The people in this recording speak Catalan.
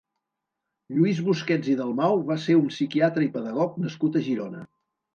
Lluís Busquets i Dalmau va ser un psiquiatre i pedagog nascut a Girona.